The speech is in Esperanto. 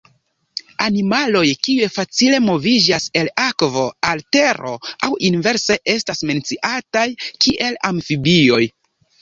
Animaloj kiuj facile moviĝas el akvo al tero aŭ inverse estas menciataj kiel amfibioj.